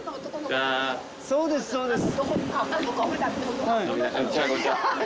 そうですそうです。